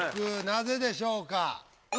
なぜでしょうか？